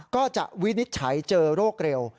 ก็จะวินิจฉัยเจอโรคเร็ว